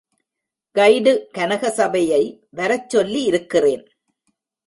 Guide கனகசபையை வரச்சொல்லி இருக்கிறேன்.